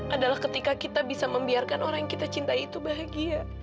adalah ketika kita bisa membiarkan orang yang kita cintai itu bahagia